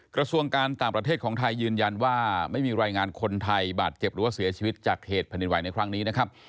กระทรวงการต่างประเทศของไทยยืนยันว่าไม่มีรายงานคนไทยบาดเจ็บหรือว่าเสียชีวิตจากเหตุแผ่นดินไหวในครั้งนี้นะครับ